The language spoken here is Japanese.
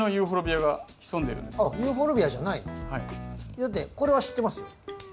だってこれは知ってますよ。